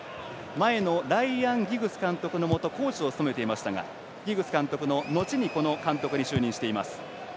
前のライアン・ギグス監督のもとコーチを務めていましたが後に監督に就任しています。